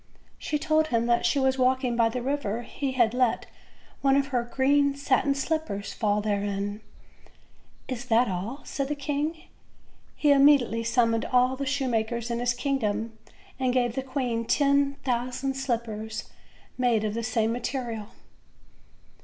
She told him that as she was walk ing by the river he had let one of her green satin slip pers fall therein. "Is that all?" said the king. He im mediately summoned all the shoemakers in his kingdom; and gave the queen ten thousand slippers made of the same material.